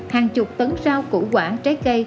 hàng chục tấn rau củ quả trái cây